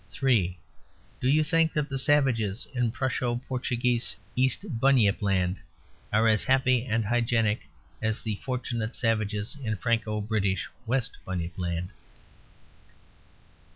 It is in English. III. Do you think that the savages in Prusso Portuguese East Bunyipland are as happy and hygienic as the fortunate savages in Franco British West Bunyipland?